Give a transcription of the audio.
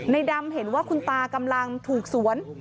ดำเห็นว่าคุณตากำลังถูกสวน